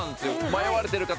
迷われてる方